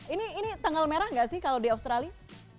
ini tanggal merah nggak sih kalau di australia